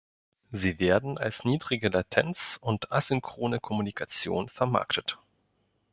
Sie werden als niedrige Latenz und asynchrone Kommunikation vermarktet.